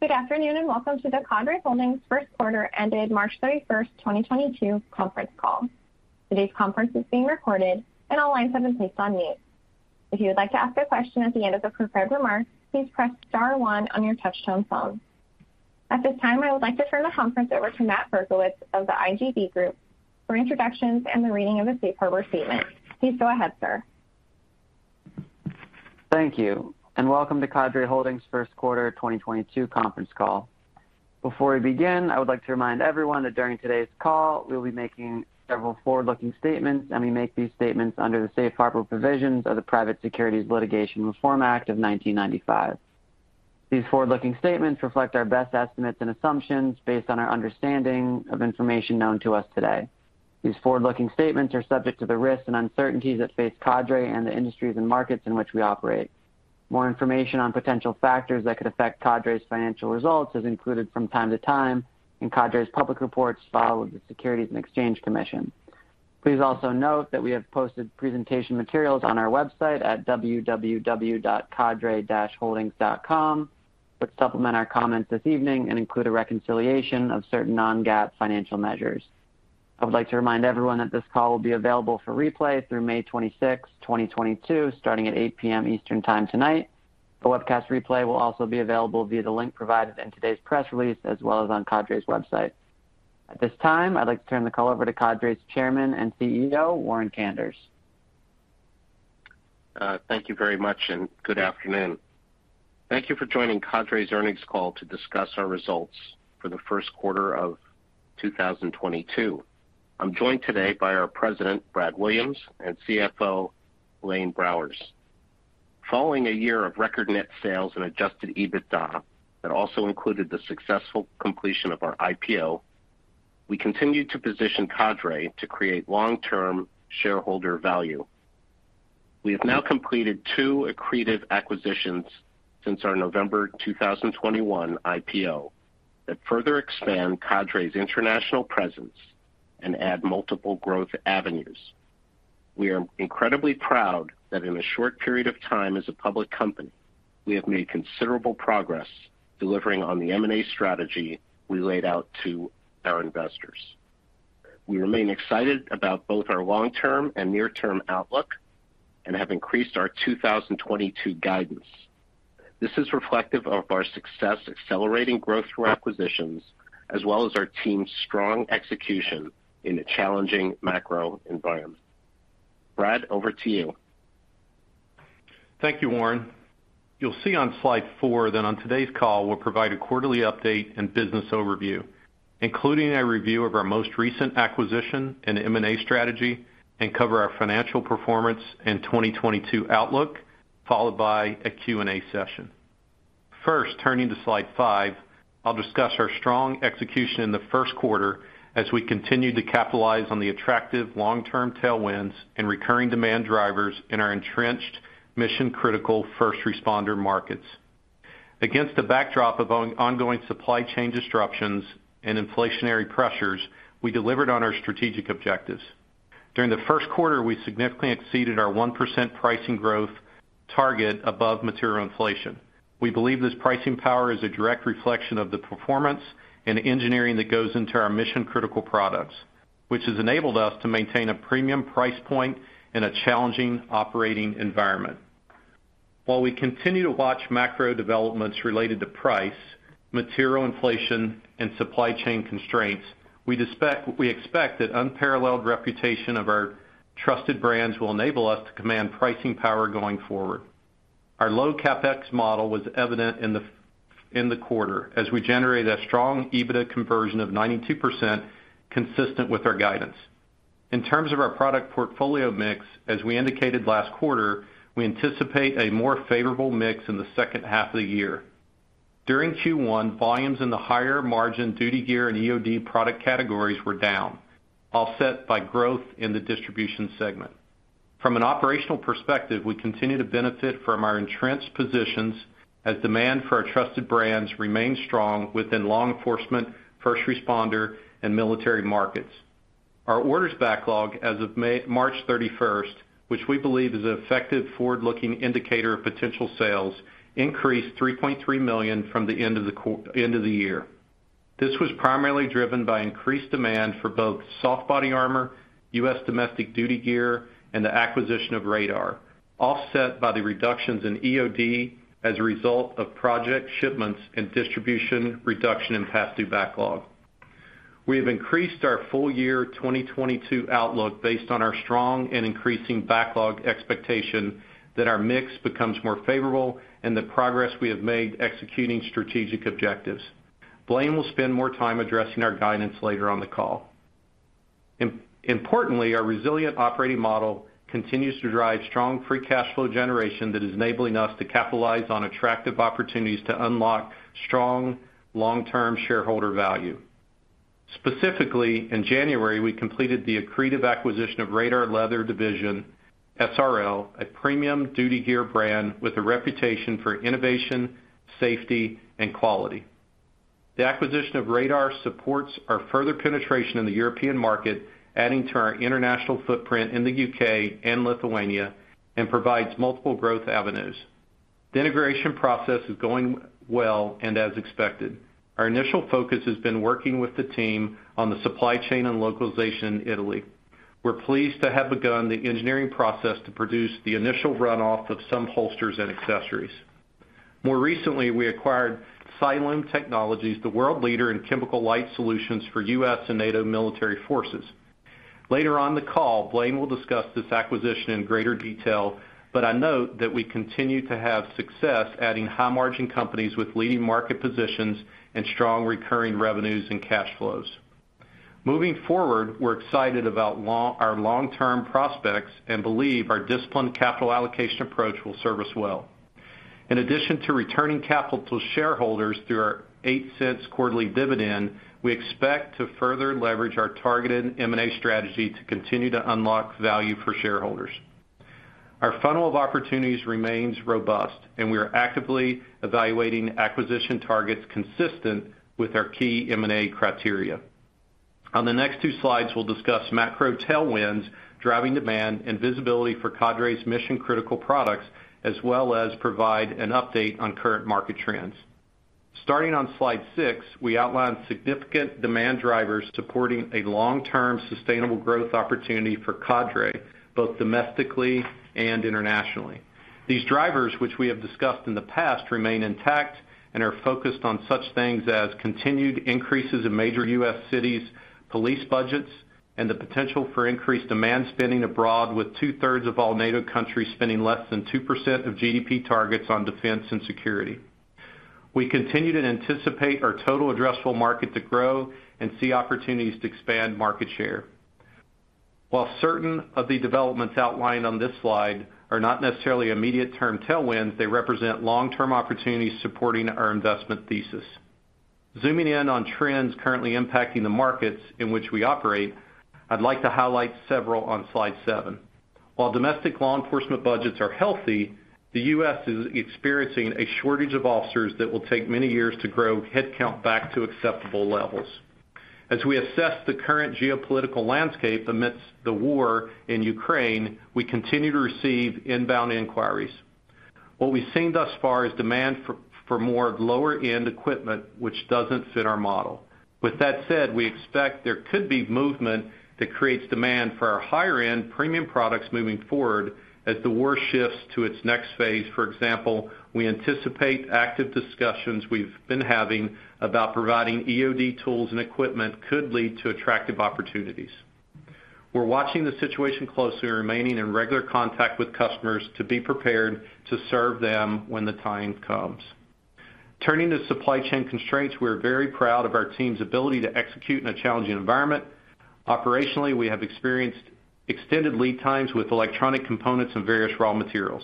Good afternoon, and welcome to the Cadre Holdings First Quarter ended March 31, 2022 Conference Call. Today's conference is being recorded, and all lines have been placed on mute. If you would like to ask a question at the end of the prepared remarks, please press star one on your touchtone phone. At this time, I would like to turn the conference over to Matt Berkowitz of the IGB Group for introductions and the reading of the safe harbor statement. Please go ahead, sir. Thank you, and welcome to Cadre Holdings' First Quarter 2022 Conference Call. Before we begin, I would like to remind everyone that during today's call, we'll be making several forward-looking statements, and we make these statements under the Safe Harbor Provisions of the Private Securities Litigation Reform Act of 1995. These forward-looking statements reflect our best estimates and assumptions based on our understanding of information known to us today. These forward-looking statements are subject to the risks and uncertainties that face Cadre and the industries and markets in which we operate. More information on potential factors that could affect Cadre's financial results is included from time to time in Cadre's public reports filed with the Securities and Exchange Commission. Please also note that we have posted presentation materials on our website at www.cadre-holdings.com that supplement our comments this evening and include a reconciliation of certain non-GAAP financial measures. I would like to remind everyone that this call will be available for replay through May 26th, 2022, starting at 8:00 P.M. Eastern Time tonight. The webcast replay will also be available via the link provided in today's press release, as well as on Cadre's website. At this time, I'd like to turn the call over to Cadre's Chairman and CEO, Warren Kanders. Thank you very much, and good afternoon. Thank you for joining Cadre's earnings call to discuss our results for the first quarter of 2022. I'm joined today by our President, Brad Williams, and CFO, Blaine Browers. Following a year of record net sales and adjusted EBITDA that also included the successful completion of our IPO, we continued to position Cadre to create long-term shareholder value. We have now completed two accretive acquisitions since our November 2021 IPO that further expand Cadre's international presence and add multiple growth avenues. We are incredibly proud that in a short period of time as a public company, we have made considerable progress delivering on the M&A strategy we laid out to our investors. We remain excited about both our long-term and near-term outlook and have increased our 2022 guidance. This is reflective of our success accelerating growth through acquisitions, as well as our team's strong execution in a challenging macro environment. Brad, over to you. Thank you, Warren. You'll see on slide four that on today's call, we'll provide a quarterly update and business overview, including a review of our most recent acquisition and M&A strategy and cover our financial performance and 2022 outlook, followed by a Q&A session. First, turning to slide five, I'll discuss our strong execution in the first quarter as we continued to capitalize on the attractive long-term tailwinds and recurring demand drivers in our entrenched mission-critical first responder markets. Against the backdrop of ongoing supply chain disruptions and inflationary pressures, we delivered on our strategic objectives. During the first quarter, we significantly exceeded our 1% pricing growth target above material inflation. We believe this pricing power is a direct reflection of the performance and engineering that goes into our mission-critical products, which has enabled us to maintain a premium price point in a challenging operating environment. While we continue to watch macro developments related to price, material inflation, and supply chain constraints, we expect that unparalleled reputation of our trusted brands will enable us to command pricing power going forward. Our low CapEx model was evident in the quarter as we generated a strong EBITDA conversion of 92% consistent with our guidance. In terms of our product portfolio mix, as we indicated last quarter, we anticipate a more favorable mix in the second half of the year. During Q1, volumes in the higher margin duty gear and EOD product categories were down, offset by growth in the distribution segment. From an operational perspective, we continue to benefit from our entrenched positions as demand for our trusted brands remains strong within law enforcement, first responder, and military markets. Our orders backlog as of March thirty-first, which we believe is an effective forward-looking indicator of potential sales, increased $3.3 million from the end of the year. This was primarily driven by increased demand for both soft body armor, U.S. domestic duty gear, and the acquisition of, offset by the reductions in EOD as a result of project shipments and distribution reduction in past due backlog. We have increased our full year 2022 outlook based on our strong and increasing backlog expectation that our mix becomes more favorable and the progress we have made executing strategic objectives. Blaine will spend more time addressing our guidance later on the call. Importantly, our resilient operating model continues to drive strong free cash flow generation that is enabling us to capitalize on attractive opportunities to unlock strong long-term shareholder value. Specifically, in January, we completed the accretive acquisition of Radar Leather Division S.r.l., a premium duty gear brand with a reputation for innovation, safety, and quality. The acquisition of Radar supports our further penetration in the European market, adding to our international footprint in the UK and Lithuania, and provides multiple growth avenues. The integration process is going well and as expected. Our initial focus has been working with the team on the supply chain and localization in Italy. We're pleased to have begun the engineering process to produce the initial runoff of some holsters and accessories. More recently, we acquired Cyalume Technologies, the world leader in chemical light solutions for U.S. and NATO military forces. Later on the call, Blaine will discuss this acquisition in greater detail, but I note that we continue to have success adding high-margin companies with leading market positions and strong recurring revenues and cash flows. Moving forward, we're excited about our long-term prospects and believe our disciplined capital allocation approach will serve us well. In addition to returning capital to shareholders through our $0.08 quarterly dividend, we expect to further leverage our targeted M&A strategy to continue to unlock value for shareholders. Our funnel of opportunities remains robust, and we are actively evaluating acquisition targets consistent with our key M&A criteria. On the next two slides, we'll discuss macro tailwinds, driving demand, and visibility for Cadre's mission-critical products, as well as provide an update on current market trends. Starting on slide six, we outlined significant demand drivers supporting a long-term sustainable growth opportunity for Cadre, both domestically and internationally. These drivers, which we have discussed in the past, remain intact and are focused on such things as continued increases in major U.S. cities, police budgets, and the potential for increased demand spending abroad, with two-thirds of all NATO countries spending less than 2% of GDP targets on defense and security. We continue to anticipate our total addressable market to grow and see opportunities to expand market share. While certain of the developments outlined on this slide are not necessarily immediate-term tailwinds, they represent long-term opportunities supporting our investment thesis. Zooming in on trends currently impacting the markets in which we operate, I'd like to highlight several on slide seven. While domestic law enforcement budgets are healthy, the U.S. is experiencing a shortage of officers that will take many years to grow headcount back to acceptable levels. As we assess the current geopolitical landscape amidst the war in Ukraine, we continue to receive inbound inquiries. What we've seen thus far is demand for more lower-end equipment, which doesn't fit our model. With that said, we expect there could be movement that creates demand for our higher-end premium products moving forward as the war shifts to its next phase. For example, we anticipate active discussions we've been having about providing EOD tools and equipment could lead to attractive opportunities. We're watching the situation closely and remaining in regular contact with customers to be prepared to serve them when the time comes. Turning to supply chain constraints, we're very proud of our team's ability to execute in a challenging environment. Operationally, we have experienced extended lead times with electronic components and various raw materials.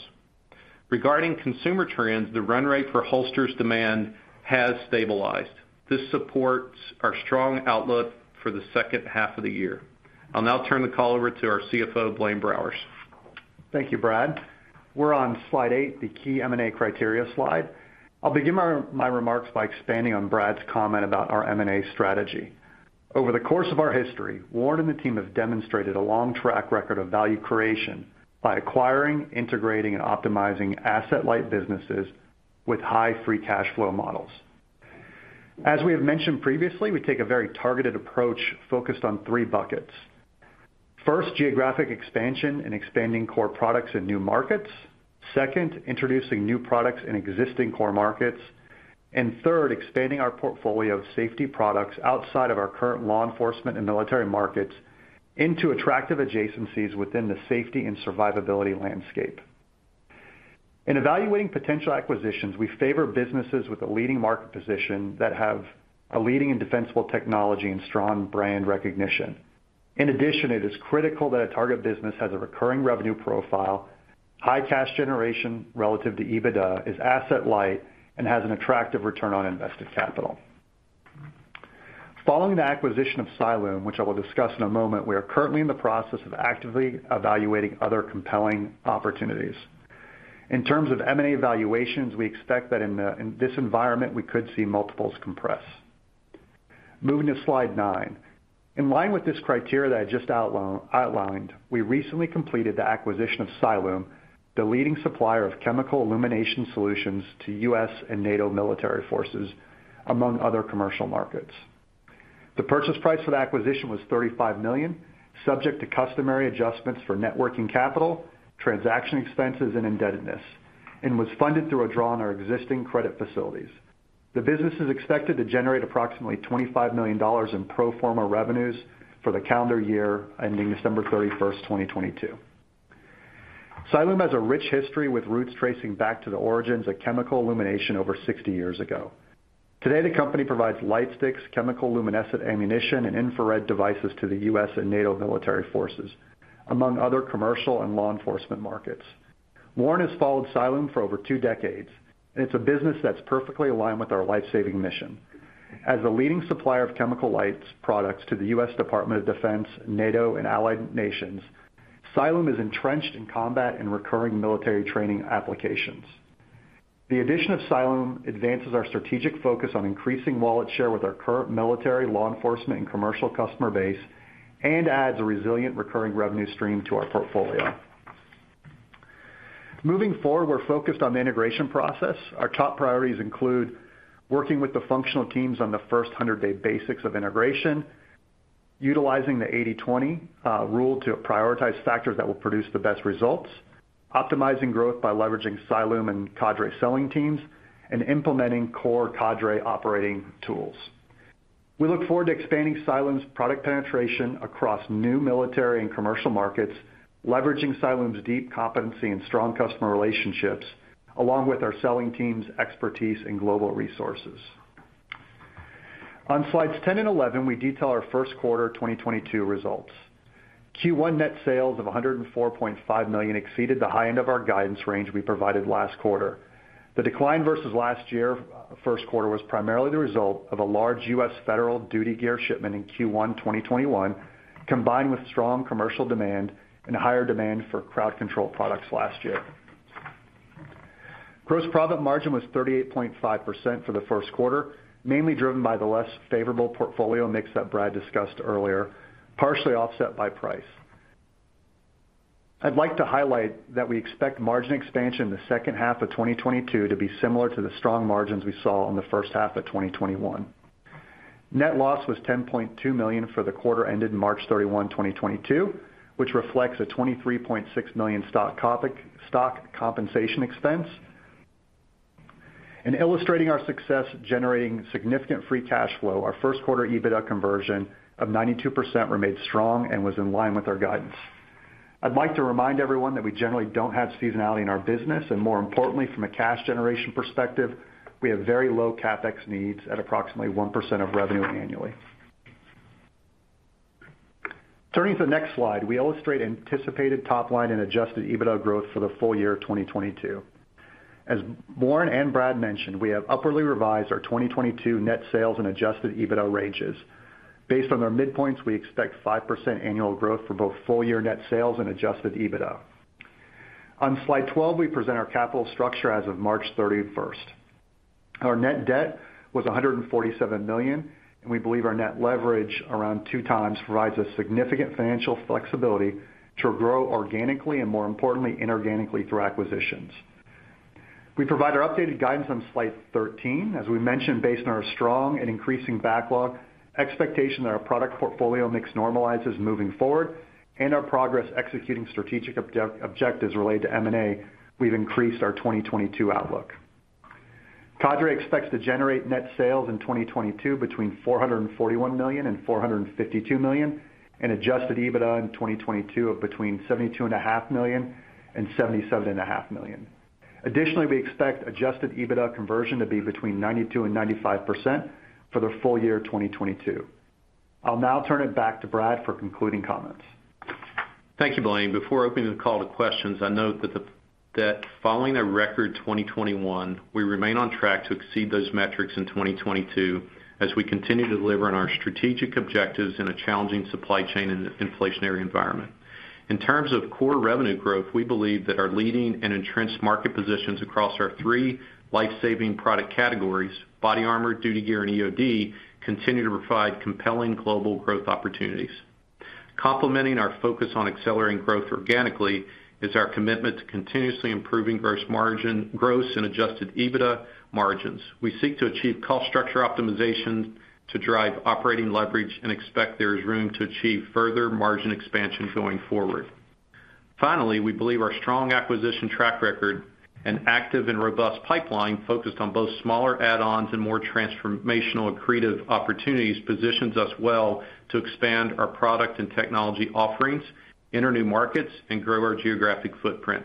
Regarding consumer trends, the run rate for holsters demand has stabilized. This supports our strong outlook for the second half of the year. I'll now turn the call over to our CFO, Blaine Browers. Thank you, Brad. We're on slide eight, the key M&A criteria slide. I'll begin my remarks by expanding on Brad's comment about our M&A strategy. Over the course of our history, Warren and the team have demonstrated a long track record of value creation by acquiring, integrating, and optimizing asset-light businesses with high free cash flow models. As we have mentioned previously, we take a very targeted approach focused on three buckets. First, geographic expansion and expanding core products in new markets. Second, introducing new products in existing core markets. Third, expanding our portfolio of safety products outside of our current law enforcement and military markets into attractive adjacencies within the safety and survivability landscape. In evaluating potential acquisitions, we favor businesses with a leading market position that have a leading and defensible technology and strong brand recognition. In addition, it is critical that a target business has a recurring revenue profile, high cash generation relative to EBITDA, is asset light, and has an attractive return on invested capital. Following the acquisition of Cyalume, which I will discuss in a moment, we are currently in the process of actively evaluating other compelling opportunities. In terms of M&A evaluations, we expect that in this environment, we could see multiples compress. Moving to slide nine. In line with this criteria that I just outlined, we recently completed the acquisition of Cyalume, the leading supplier of chemical illumination solutions to U.S. and NATO military forces, among other commercial markets. The purchase price for the acquisition was $35 million, subject to customary adjustments for net working capital, transaction expenses, and indebtedness, and was funded through a draw on our existing credit facilities. The business is expected to generate approximately $25 million in pro forma revenues for the calendar year ending December 31, 2022. Cyalume has a rich history with roots tracing back to the origins of chemical illumination over 60 years ago. Today, the company provides light sticks, chemiluminescent training ammunition, and infrared devices to the U.S. and NATO military forces, among other commercial and law enforcement markets. Warren has followed Cyalume for over two decades. It's a business that's perfectly aligned with our life-saving mission. As the leading supplier of chemical lights products to the U.S. Department of Defense, NATO, and allied nations. Cyalume is entrenched in combat and recurring military training applications. The addition of Cyalume advances our strategic focus on increasing wallet share with our current military law enforcement and commercial customer base and adds a resilient recurring revenue stream to our portfolio. Moving forward, we're focused on the integration process. Our top priorities include working with the functional teams on the first 100-day basics of integration, utilizing the 80/20 rule to prioritize factors that will produce the best results, optimizing growth by leveraging Cyalume and Cadre selling teams, and implementing core Cadre operating tools. We look forward to expanding Cyalume's product penetration across new military and commercial markets, leveraging Cyalume's deep competency and strong customer relationships, along with our selling team's expertise in global resources. On slides 10 and 11, we detail our first quarter 2022 results. Q1 net sales of $104.5 million exceeded the high end of our guidance range we provided last quarter. The decline versus last year first quarter was primarily the result of a large U.S. federal duty gear shipment in Q1 2021, combined with strong commercial demand and higher demand for crowd control products last year. Gross profit margin was 38.5% for the first quarter, mainly driven by the less favorable portfolio mix that Brad discussed earlier, partially offset by price. I'd like to highlight that we expect margin expansion in the second half of 2022 to be similar to the strong margins we saw in the first half of 2021. Net loss was $10.2 million for the quarter ended March 31, 2022, which reflects a $23.6 million stock compensation expense. In illustrating our success generating significant free cash flow, our first quarter EBITDA conversion of 92% remained strong and was in line with our guidance. I'd like to remind everyone that we generally don't have seasonality in our business, and more importantly, from a cash generation perspective, we have very low CapEx needs at approximately 1% of revenue annually. Turning to the next slide, we illustrate anticipated top line and adjusted EBITDA growth for the full year of 2022. As Warren and Brad mentioned, we have upwardly revised our 2022 net sales and adjusted EBITDA ranges. Based on their midpoints, we expect 5% annual growth for both full-year net sales and adjusted EBITDA. On slide 12, we present our capital structure as of March 31. Our net debt was $147 million, and we believe our net leverage around 2x provides us significant financial flexibility to grow organically and, more importantly, inorganically through acquisitions. We provide our updated guidance on slide 13. As we mentioned, based on our strong and increasing backlog, expectation that our product portfolio mix normalizes moving forward, and our progress executing strategic objectives related to M&A, we've increased our 2022 outlook. Cadre expects to generate net sales in 2022 between $441 million and $452 million, and adjusted EBITDA in 2022 of between $72.5 million and $77.5 million. Additionally, we expect adjusted EBITDA conversion to be between 92% and 95% for the full year of 2022. I'll now turn it back to Brad for concluding comments. Thank you, Blaine. Before opening the call to questions, I note that following a record 2021, we remain on track to exceed those metrics in 2022 as we continue to deliver on our strategic objectives in a challenging supply chain and inflationary environment. In terms of core revenue growth, we believe that our leading and entrenched market positions across our three life-saving product categories, body armor, duty gear, and EOD, continue to provide compelling global growth opportunities. Complementing our focus on accelerating growth organically is our commitment to continuously improving gross margin and adjusted EBITDA margins. We seek to achieve cost structure optimization to drive operating leverage and expect there is room to achieve further margin expansion going forward. Finally, we believe our strong acquisition track record and active and robust pipeline focused on both smaller add-ons and more transformational accretive opportunities positions us well to expand our product and technology offerings, enter new markets and grow our geographic footprint.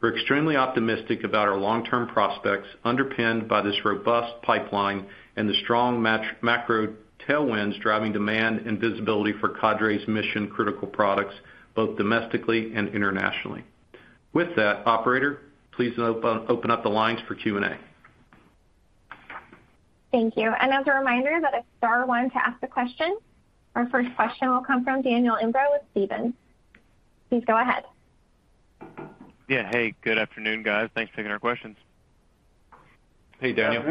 We're extremely optimistic about our long-term prospects underpinned by this robust pipeline and the strong macro tailwinds driving demand and visibility for Cadre's mission-critical products, both domestically and internationally. With that, operator, please open up the lines for Q&A. Thank you. As a reminder that if star one to ask a question. Our first question will come from Daniel Imbro with Stephens. Please go ahead. Yeah. Hey, good afternoon, guys. Thanks for taking our questions. Hey, Daniel.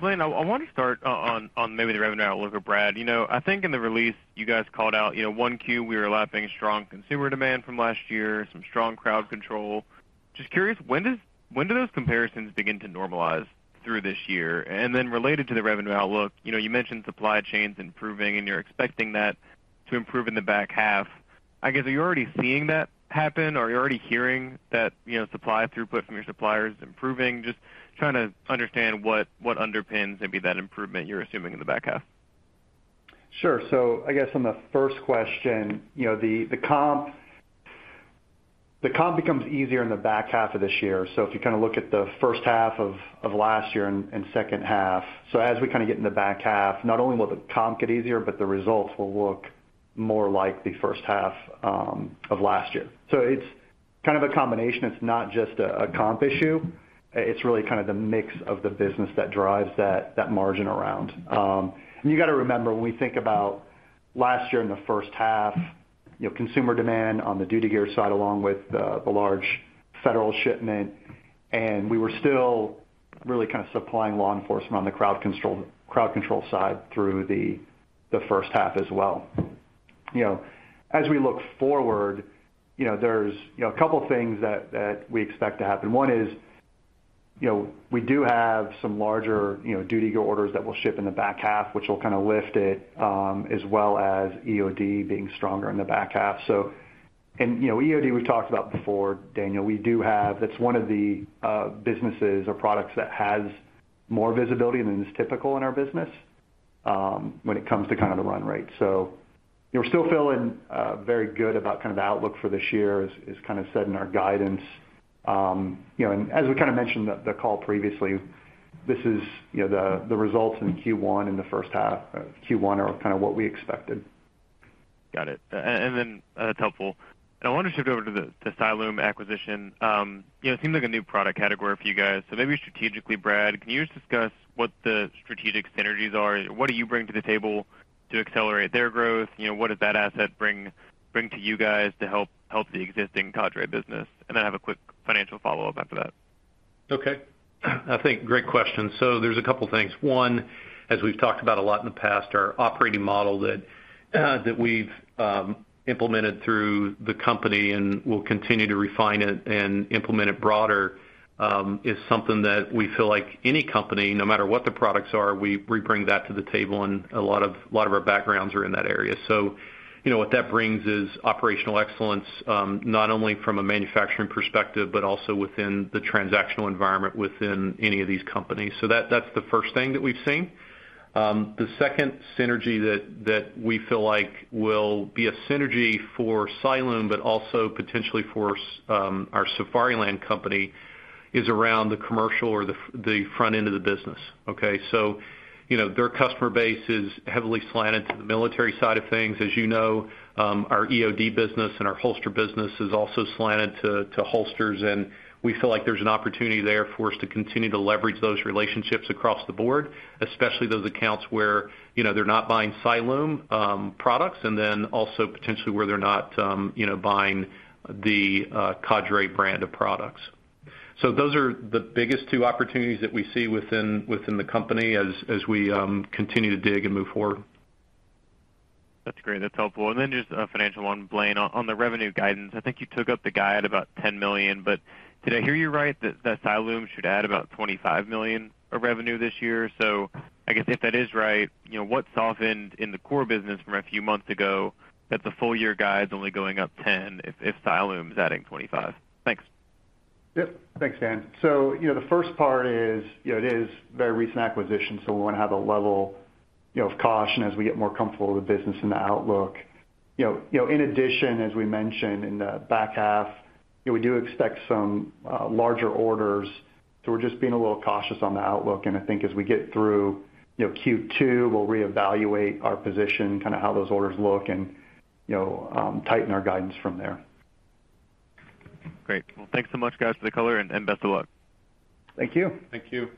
Blaine, I want to start on maybe the revenue outlook with Brad. You know, I think in the release you guys called out, you know, Q1, we were lapping strong consumer demand from last year, some strong crowd control. Just curious, when do those comparisons begin to normalize through this year? Related to the revenue outlook, you know, you mentioned supply chains improving, and you're expecting that to improve in the back half. I guess, are you already seeing that happen or are you already hearing that, you know, supply throughput from your suppliers improving? Just trying to understand what underpins maybe that improvement you're assuming in the back half. Sure. I guess on the first question, you know, the comp becomes easier in the back half of this year. If you kind of look at the first half of last year and second half. As we kind of get in the back half, not only will the comp get easier, but the results will look more like the first half of last year. It's Kind of a combination. It's not just a comp issue. It's really kind of the mix of the business that drives that margin around. You gotta remember, when we think about last year in the first half, you know, consumer demand on the duty gear side, along with the large federal shipment, and we were still really kind of supplying law enforcement on the crowd control side through the first half as well. You know, as we look forward, you know, there's, you know, a couple things that we expect to happen. One is, you know, we do have some larger, you know, duty gear orders that will ship in the back half, which will kinda lift it, as well as EOD being stronger in the back half. You know, EOD, we've talked about before, Daniel. We do have, that's one of the businesses or products that has more visibility than is typical in our business, when it comes to kinda the run rate. You know, we're still feeling very good about kind of the outlook for this year, as kind of said in our guidance. You know, as we kinda mentioned the call previously, this is, you know, the results in Q1, in the first half of Q1 are kind of what we expected. Got it. That's helpful. I wanted to shift over to the Cyalume acquisition. You know, it seems like a new product category for you guys. Maybe strategically, Brad, can you just discuss what the strategic synergies are? What do you bring to the table to accelerate their growth? You know, what does that asset bring to you guys to help the existing Cadre business? I have a quick financial follow-up after that. Okay. I think great question. There's a couple things. One, as we've talked about a lot in the past, our operating model that we've implemented through the company and we'll continue to refine it and implement it broader is something that we feel like any company, no matter what the products are, we bring that to the table, and a lot of our backgrounds are in that area. You know, what that brings is operational excellence, not only from a manufacturing perspective, but also within the transactional environment within any of these companies. That, that's the first thing that we've seen. The second synergy that we feel like will be a synergy for Cyalume, but also potentially for our Safariland company, is around the commercial or the front end of the business, okay? You know, their customer base is heavily slanted to the military side of things. As you know, our EOD business and our holster business is also slanted to holsters, and we feel like there's an opportunity there for us to continue to leverage those relationships across the board, especially those accounts where, you know, they're not buying Cyalume products, and then also potentially where they're not buying the Cadre brand of products. Those are the biggest two opportunities that we see within the company as we continue to dig and move forward. That's great. That's helpful. Just a financial one, Blaine. On the revenue guidance, I think you took up the guide about $10 million, but did I hear you right that Cyalume should add about $25 million of revenue this year? I guess if that is right, you know, what softened in the core business from a few months ago that the full year guide's only going up $10 million if Cyalume's adding $25 million? Thanks. Yep. Thanks, Dan. The first part is, you know, it is a very recent acquisition, so we wanna have a level, you know, of caution as we get more comfortable with the business and the outlook. You know, in addition, as we mentioned in the back half, you know, we do expect some larger orders, so we're just being a little cautious on the outlook. I think as we get through, you know, Q2, we'll reevaluate our position, kinda how those orders look and, you know, tighten our guidance from there. Great. Well, thanks so much, guys, for the color and best of luck. Thank you. Thank you.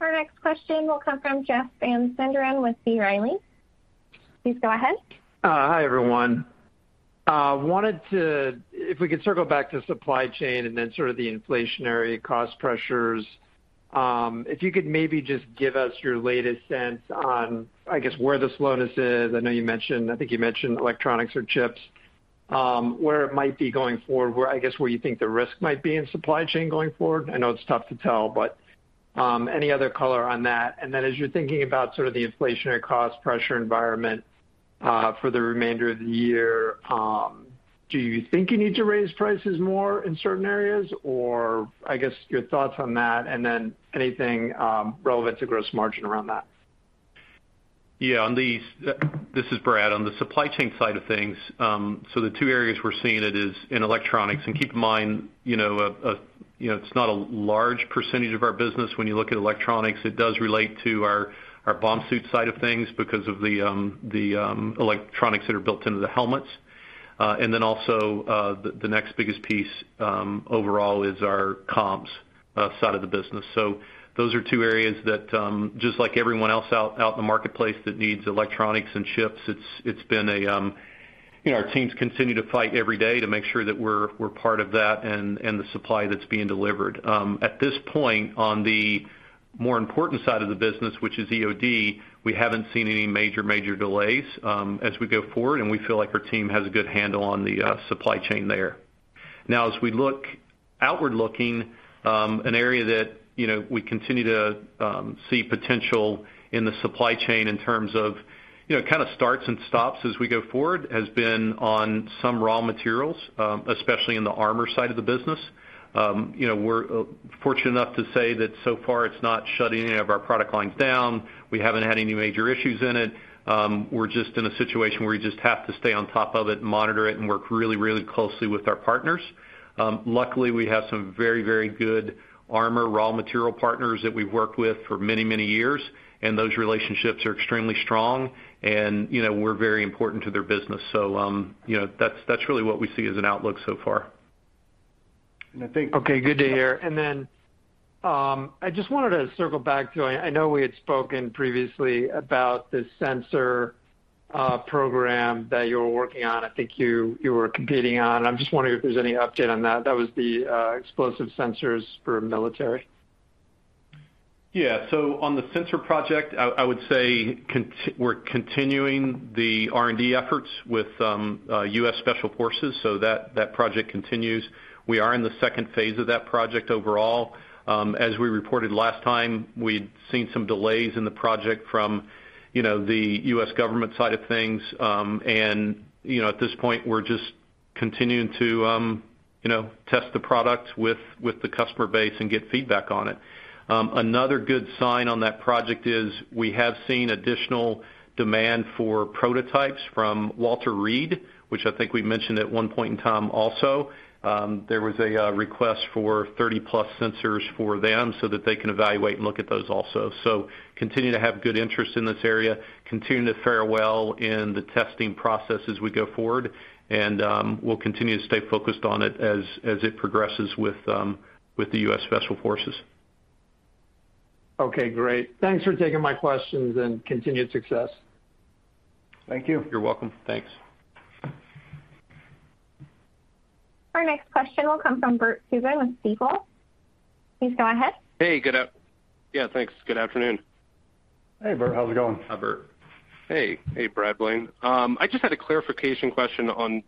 Our next question will come from Jeff Van Sinderen with B. Riley. Please go ahead. Hi, everyone. If we could circle back to supply chain and then sort of the inflationary cost pressures, if you could maybe just give us your latest sense on, I guess, where the slowness is. I know you mentioned, I think you mentioned electronics or chips, where it might be going forward, I guess, where you think the risk might be in supply chain going forward. I know it's tough to tell, but any other color on that. Then as you're thinking about sort of the inflationary cost pressure environment, for the remainder of the year, do you think you need to raise prices more in certain areas? Or I guess, your thoughts on that, and then anything relevant to gross margin around that. This is Brad. On the supply chain side of things, so the two areas we're seeing it is in electronics. Keep in mind, you know, it's not a large percentage of our business when you look at electronics. It does relate to our bomb suit side of things because of the electronics that are built into the helmets. And then also, the next biggest piece overall is our comms side of the business. So those are two areas that, just like everyone else out in the marketplace that needs electronics and chips, it's been, you know, our teams continue to fight every day to make sure that we're part of that and the supply that's being delivered. At this point, on the more important side of the business, which is EOD, we haven't seen any major delays as we go forward, and we feel like our team has a good handle on the supply chain there. Now as we look outward-looking, an area that, you know, we continue to see potential in the supply chain in terms of, you know, it kinda starts and stops as we go forward, has been on some raw materials, especially in the armor side of the business. You know, we're fortunate enough to say that so far it's not shutting any of our product lines down. We haven't had any major issues in it. We're just in a situation where you just have to stay on top of it and monitor it and work really, really closely with our partners. Luckily, we have some very, very good armor raw material partners that we've worked with for many, many years, and those relationships are extremely strong and, you know, we're very important to their business. You know, that's really what we see as an outlook so far. Okay, good to hear. I just wanted to circle back to I know we had spoken previously about the sensor program that you were working on. I think you were competing on. I'm just wondering if there's any update on that. That was the explosive sensors for military. Yeah. On the sensor project, I would say we're continuing the R&D efforts with U.S. Special Forces, so that project continues. We are in the second phase of that project overall. As we reported last time, we'd seen some delays in the project from, you know, the U.S. government side of things. You know, at this point, we're just continuing to, you know, test the product with the customer base and get feedback on it. Another good sign on that project is we have seen additional demand for prototypes from Walter Reed, which I think we mentioned at one point in time also. There was a request for 30+ sensors for them so that they can evaluate and look at those also. Continue to have good interest in this area, continue to fare well in the testing process as we go forward, and we'll continue to stay focused on it as it progresses with the U.S. Special Forces. Okay, great. Thanks for taking my questions and continued success. Thank you. You're welcome. Thanks. Our next question will come from Bert Subin with Stifel. Please go ahead. Hey, yeah, thanks. Good afternoon. Hey, Bert. How's it going? Hi, Bert. Hey. Hey, Brad, Blaine. I just had a clarification question on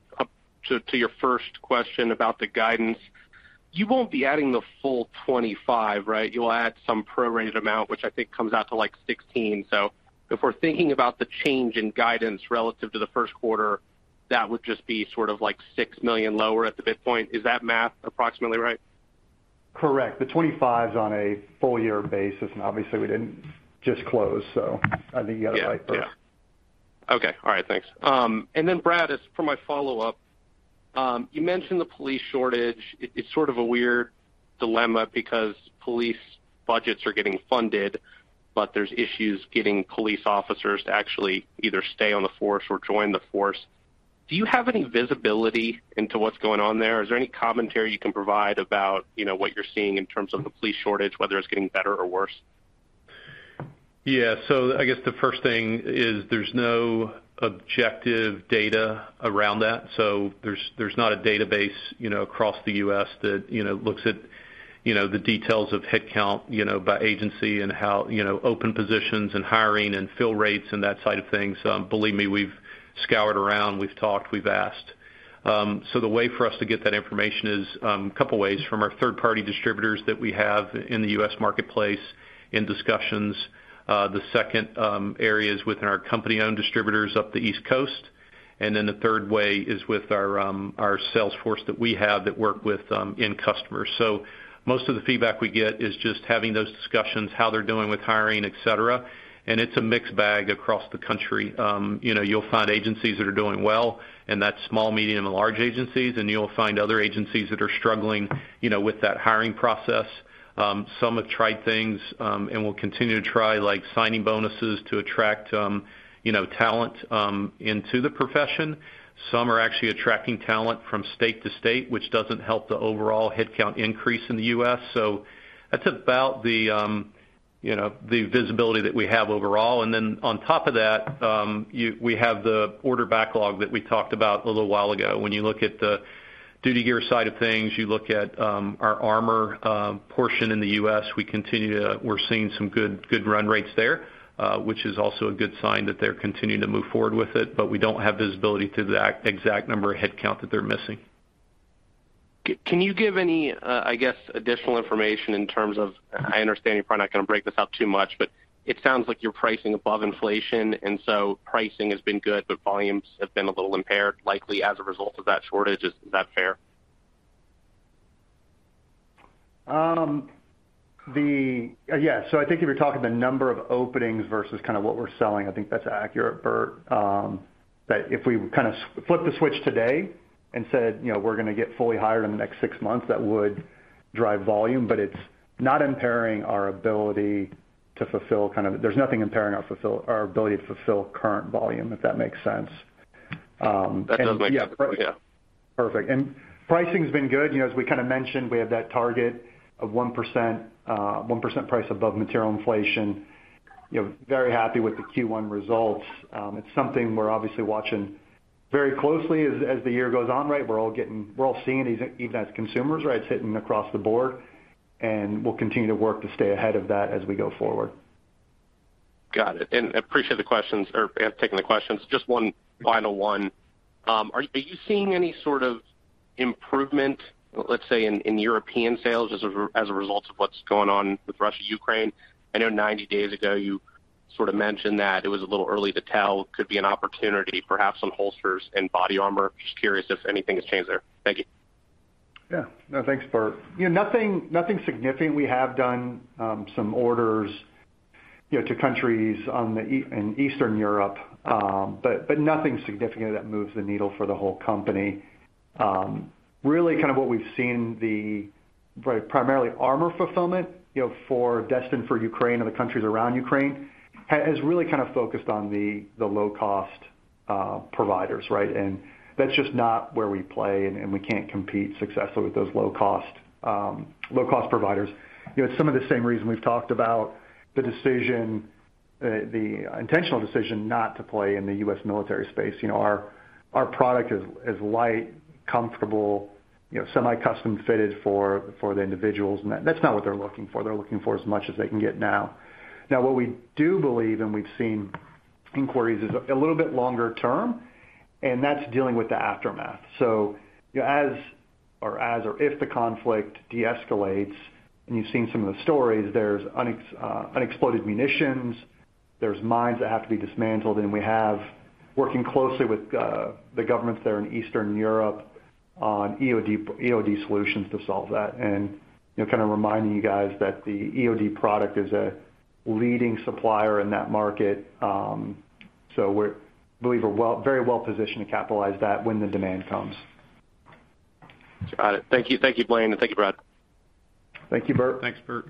your first question about the guidance. You won't be adding the full 25, right? You'll add some prorated amount, which I think comes out to, like, 16. So if we're thinking about the change in guidance relative to the first quarter, that would just be sort of, like, $6 million lower at the midpoint. Is that math approximately right? Correct. The 25 is on a full year basis, and obviously we didn't just close, so I think you got it right, Bert. Yeah. Okay. All right. Thanks. Brad, as for my follow-up, you mentioned the police shortage. It's sort of a weird dilemma because police budgets are getting funded, but there's issues getting police officers to actually either stay on the force or join the force. Do you have any visibility into what's going on there? Is there any commentary you can provide about, you know, what you're seeing in terms of the police shortage, whether it's getting better or worse? Yeah. I guess the first thing is there's no objective data around that. There's not a database, you know, across the U.S. that, you know, looks at, you know, the details of headcount, you know, by agency and how, you know, open positions and hiring and fill rates and that side of things. Believe me, we've scoured around, we've talked, we've asked. The way for us to get that information is a couple of ways, from our third-party distributors that we have in the U.S. marketplace in discussions. The second area is within our company-owned distributors up the East Coast. Then the third way is with our sales force that we have that work with end customers. Most of the feedback we get is just having those discussions, how they're doing with hiring, etc. It's a mixed bag across the country. You know, you'll find agencies that are doing well, and that's small, medium, and large agencies, and you'll find other agencies that are struggling, you know, with that hiring process. Some have tried things, and will continue to try, like signing bonuses to attract, you know, talent, into the profession. Some are actually attracting talent from state to state, which doesn't help the overall headcount increase in the U.S. That's about the, you know, the visibility that we have overall. On top of that, we have the order backlog that we talked about a little while ago. When you look at the duty gear side of things, you look at our armor portion in the U.S., we're seeing some good run rates there, which is also a good sign that they're continuing to move forward with it, but we don't have visibility to the exact number of headcount that they're missing. Can you give any, I guess, additional information in terms of? I understand you're probably not gonna break this up too much, but it sounds like you're pricing above inflation, and so pricing has been good, but volumes have been a little impaired, likely as a result of that shortage. Is that fair? Yeah. I think if you're talking the number of openings versus kind of what we're selling, I think that's accurate, Bert. If we kind of flip the switch today and said, you know, we're gonna get fully hired in the next six months, that would drive volume, but it's not impairing our ability to fulfill. There's nothing impairing our ability to fulfill current volume, if that makes sense. Yeah. That does make sense. Yeah. Perfect. Pricing's been good. You know, as we kinda mentioned, we have that target of 1% price above material inflation. You know, very happy with the Q1 results. It's something we're obviously watching very closely as the year goes on, right? We're all seeing, even as consumers, right? It's hitting across the board, and we'll continue to work to stay ahead of that as we go forward. Got it. I appreciate you taking the questions. Just one final one. Are you seeing any sort of improvement, let's say, in European sales as a result of what's going on with Russia, Ukraine? I know 90 days ago, you sort of mentioned that it was a little early to tell. Could be an opportunity, perhaps on holsters and body armor. Just curious if anything has changed there. Thank you. Yeah. No, thanks, Bert. You know, nothing significant. We have done some orders, you know, to countries in Eastern Europe, but nothing significant that moves the needle for the whole company. Really kind of what we've seen there. Right, primarily armor fulfillment, you know, destined for Ukraine and the countries around Ukraine has really kind of focused on the low-cost providers, right? And that's just not where we play, and we can't compete successfully with those low-cost providers. You know, some of the same reason we've talked about the decision, the intentional decision not to play in the U.S. military space. You know, our product is light, comfortable, you know, semi-custom fitted for the individuals, and that's not what they're looking for. They're looking for as much as they can get now. What we do believe, and we've seen inquiries is a little bit longer term, and that's dealing with the aftermath. You know, if the conflict deescalates, and you've seen some of the stories, there's unexploded munitions, there's mines that have to be dismantled, and we have working closely with the governments there in Eastern Europe on EOD solutions to solve that. You know, kind of reminding you guys that the EOD product is a leading supplier in that market. We believe we're very well positioned to capitalize that when the demand comes. Got it. Thank you. Thank you, Blaine, and thank you, Brad. Thank you, Bert. Thanks, Bert.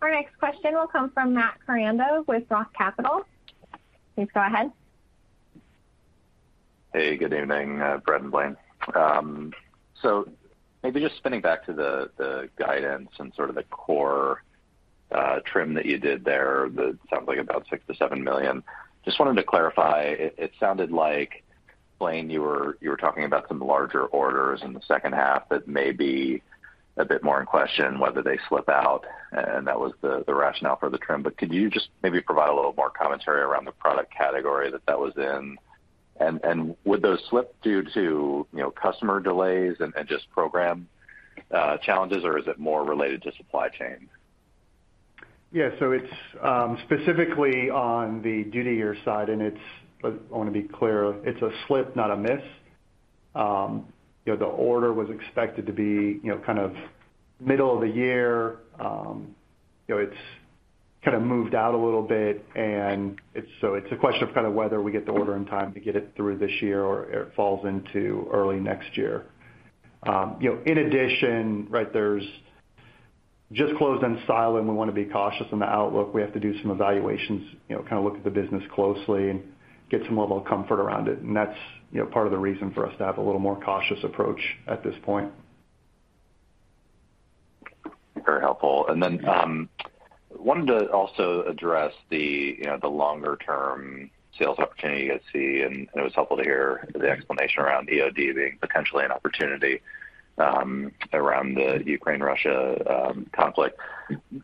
Our next question will come from Matt Koranda with Roth Capital. Please go ahead. Hey, good evening, Brad and Blaine. Maybe just spinning back to the guidance and sort of the core trim that you did there that sounds like about $6 million-$7 million. Just wanted to clarify. It sounded like, Blaine, you were talking about some larger orders in the second half that may be a bit more in question whether they slip out, and that was the rationale for the trim. Could you just maybe provide a little more commentary around the product category that was in? Would those slip due to, you know, customer delays and just program challenges, or is it more related to supply chain? Yeah. It's specifically on the duty gear side. I wanna be clear, it's a slip, not a miss. You know, the order was expected to be, you know, kind of middle of the year. You know, it's kinda moved out a little bit, and it's a question of kind of whether we get the order in time to get it through this year or it falls into early next year. You know, in addition, right, there's just closed in silence, and we wanna be cautious in the outlook. We have to do some evaluations, you know, kind of look at the business closely and get some level of comfort around it. That's, you know, part of the reason for us to have a little more cautious approach at this point. Very helpful. Wanted to also address the, you know, the longer term sales opportunity you guys see, and it was helpful to hear the explanation around EOD being potentially an opportunity around the Ukraine-Russia conflict.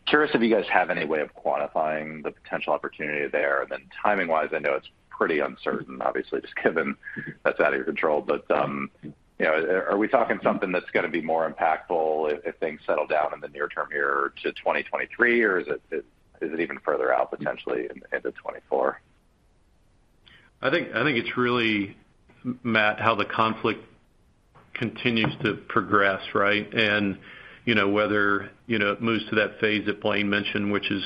Curious if you guys have any way of quantifying the potential opportunity there. Timing-wise, I know it's pretty uncertain obviously, just given that's out of your control. You know, are we talking something that's gonna be more impactful if things settle down in the near term here to 2023, or is it even further out potentially into 2024? I think it's really, Matt, how the conflict continues to progress, right? You know, whether, you know, it moves to that phase that Blaine mentioned, which is,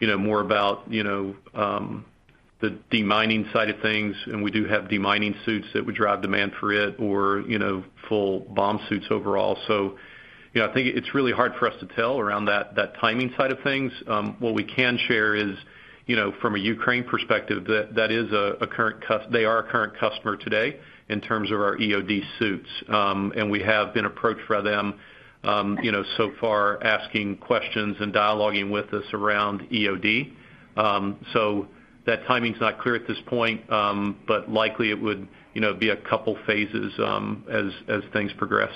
you know, more about, you know, the demining side of things, and we do have demining suits that would drive demand for it or, you know, full bomb suits overall. You know, I think it's really hard for us to tell around that timing side of things. What we can share is, you know, from a Ukraine perspective, they are a current customer today in terms of our EOD suits. We have been approached by them, you know, so far asking questions and dialoguing with us around EOD. That timing's not clear at this point, but likely it would, you know, be a couple phases as things progress.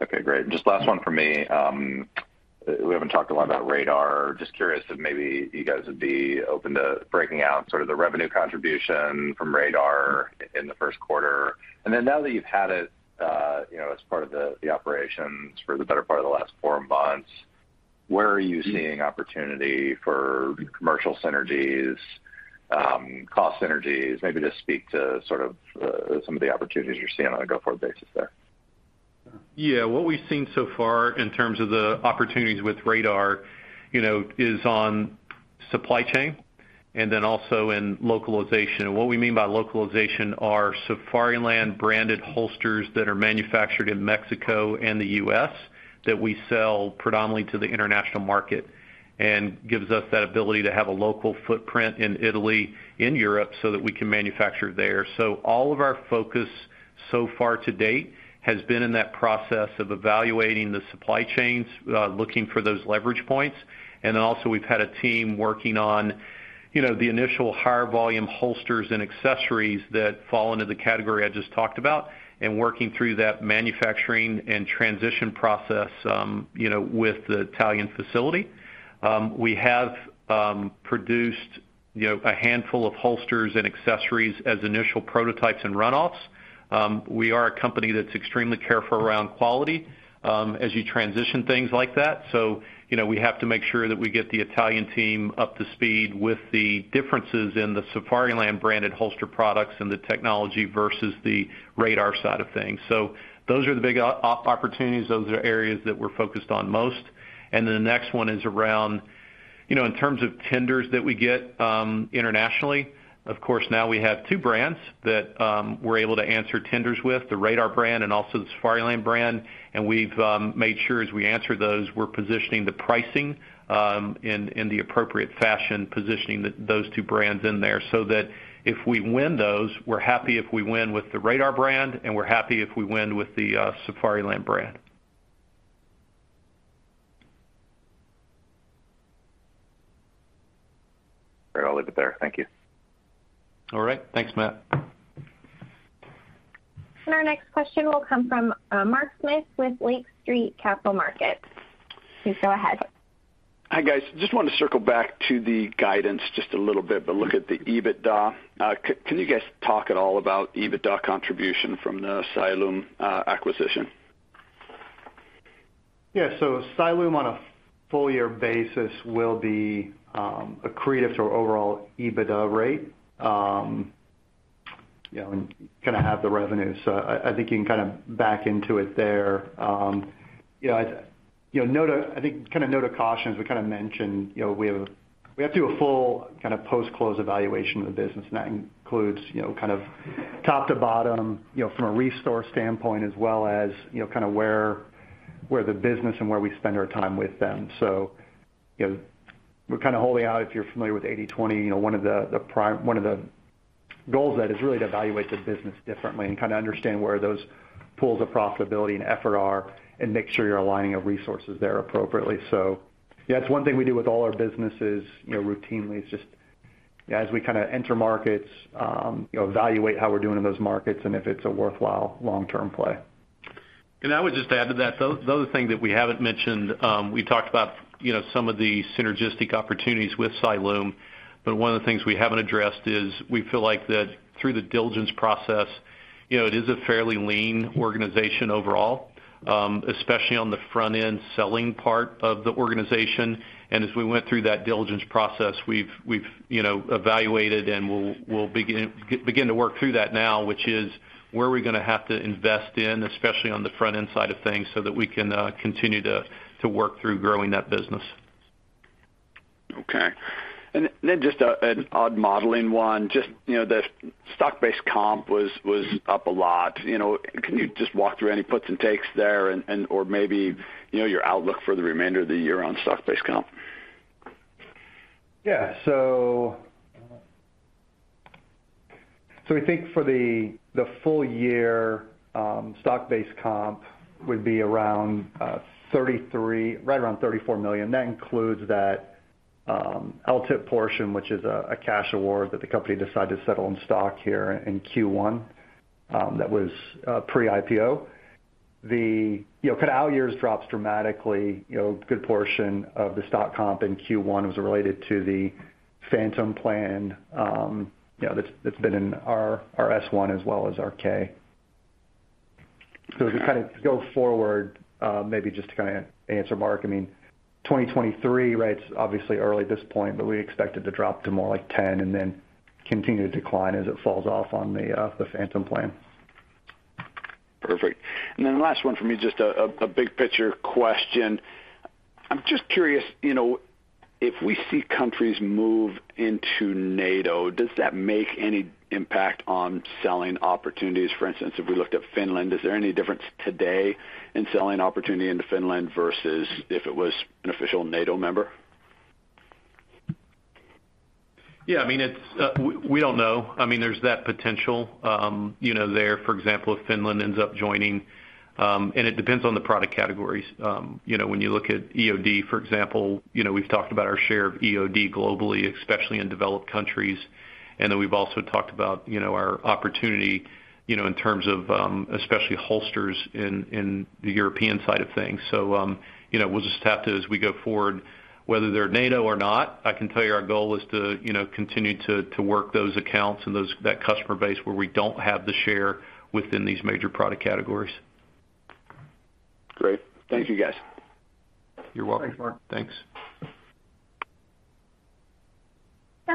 Okay, great. Just last one for me. We haven't talked a lot about Radar. Just curious if maybe you guys would be open to breaking out sort of the revenue contribution from Radar in the first quarter. Now that you've had it, you know, as part of the operations for the better part of the last four months, where are you seeing opportunity for commercial synergies, cost synergies? Maybe just speak to sort of some of the opportunities you're seeing on a go-forward basis there. Yeah. What we've seen so far in terms of the opportunities with Radar, you know, is on supply chain and then also in localization. What we mean by localization are Safariland branded holsters that are manufactured in Mexico and the U.S. that we sell predominantly to the international market and gives us that ability to have a local footprint in Italy, in Europe, so that we can manufacture there. All of our focus so far to date has been in that process of evaluating the supply chains, looking for those leverage points. We've had a team working on, you know, the initial higher volume holsters and accessories that fall into the category I just talked about, and working through that manufacturing and transition process, you know, with the Italian facility. We have, you know, produced a handful of holsters and accessories as initial prototypes and runoffs. We are a company that's extremely careful around quality, as you transition things like that. You know, we have to make sure that we get the Italian team up to speed with the differences in the Safariland branded holster products and the technology versus the Radar side of things. Those are the big opportunities. Those are areas that we're focused on most. The next one is around, you know, in terms of tenders that we get, internationally, of course, now we have two brands that, we're able to answer tenders with, the Radar brand and also the Safariland brand. We've made sure as we answer those, we're positioning the pricing in the appropriate fashion, positioning those two brands in there so that if we win those, we're happy if we win with the Radar brand, and we're happy if we win with the Safariland brand. Bit better. Thank you. All right. Thanks, Matt. Our next question will come from, Mark Smith with Lake Street Capital Markets. Please go ahead. Hi, guys. Just wanted to circle back to the guidance just a little bit, but look at the EBITDA. Can you guys talk at all about EBITDA contribution from the Cyalume acquisition? Yeah. Cyalume, on a full year basis, will be accretive to our overall EBITDA rate, you know, and gonna have the revenue. I think you can kind of back into it there. You know, I think kind of note of caution, as we kind of mentioned, you know, we have to do a full kind of post-close evaluation of the business, and that includes, you know, kind of top to bottom, you know, from a resource standpoint as well as, you know, kind of where the business and where we spend our time with them. You know, we're kind of holding out, if you're familiar with 80/20, you know, one of the goals that is really to evaluate the business differently and kind of understand where those pools of profitability and effort are and make sure you're aligning your resources there appropriately. Yeah, it's one thing we do with all our businesses, you know, routinely. It's just as we kind of enter markets, you know, evaluate how we're doing in those markets and if it's a worthwhile long-term play. I would just add to that, the other thing that we haven't mentioned, we talked about, you know, some of the synergistic opportunities with Cyalume, but one of the things we haven't addressed is we feel like that through the diligence process, you know, it is a fairly lean organization overall, especially on the front end selling part of the organization. As we went through that diligence process, we've you know, evaluated and we'll begin to work through that now, which is where are we gonna have to invest in, especially on the front end side of things, so that we can continue to work through growing that business. Okay. Just an odd modeling one. Just, you know, the stock-based comp was up a lot. You know, can you just walk through any puts and takes there and or maybe, you know, your outlook for the remainder of the year on stock-based comp? We think for the full year stock-based comp would be around $33 million, right around $34 million. That includes that LTIP portion, which is a cash award that the company decided to settle in stock here in Q1 that was pre-IPO. You know the kind of out years drops dramatically. You know a good portion of the stock comp in Q1 was related to the phantom plan you know that's been in our S-1 as well as our 10-K. To kind of go forward maybe just to kind of answer Mark I mean 2023 it's obviously early at this point but we expect it to drop to more like $10 million and then continue to decline as it falls off on the phantom plan. Perfect. Last one for me, just a big picture question. I'm just curious, you know, if we see countries move into NATO, does that make any impact on selling opportunities? For instance, if we looked at Finland, is there any difference today in selling opportunity into Finland versus if it was an official NATO member? Yeah, I mean, we don't know. I mean, there's that potential, you know, for example, if Finland ends up joining, and it depends on the product categories. You know, when you look at EOD, for example, you know, we've talked about our share of EOD globally, especially in developed countries. Then we've also talked about, you know, our opportunity, you know, in terms of, especially holsters in the European side of things. You know, we'll just have to, as we go forward, whether they're NATO or not, I can tell you our goal is to, you know, continue to work those accounts and that customer base where we don't have the share within these major product categories. Great. Thank you guys. You're welcome. Thanks, Mark. Thanks.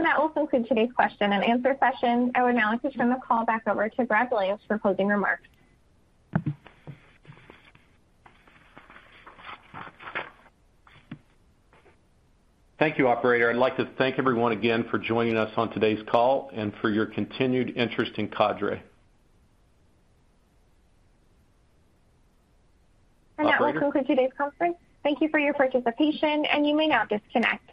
That will conclude today's question and answer session. I would now like to turn the call back over to Brad Williams for closing remarks. Thank you, Operator. I'd like to thank everyone again for joining us on today's call and for your continued interest in Cadre. That will conclude today's conference. Thank you for your participation, and you may now disconnect.